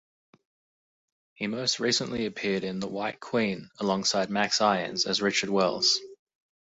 He most recently appeared in "The White Queen", alongside Max Irons, as Richard Welles.